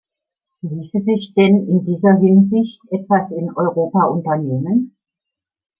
Ließe sich denn in dieser Hinsicht etwas in Europa unternehmen?